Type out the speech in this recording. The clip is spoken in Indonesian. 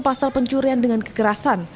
pasal pencurian dengan kekerasan